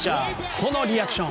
このリアクション。